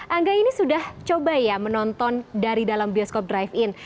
angga ini sudah coba ya menonton dari dalam bioskop drive in